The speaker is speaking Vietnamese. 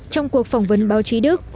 trong cuộc phỏng vấn báo chí đức